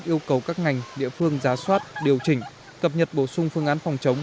yêu cầu các ngành địa phương giá soát điều chỉnh cập nhật bổ sung phương án phòng chống